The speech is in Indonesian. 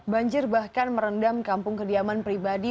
banjir bahkan merendam kampung kediaman pribadi